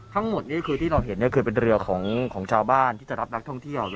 นี่คือที่เราเห็นคือเป็นเรือของชาวบ้านที่จะรับนักท่องเที่ยว